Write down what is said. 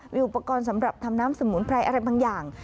มีอุปกรณ์สำหรับทำน้ำสมุนไพรอะไรบางอย่าง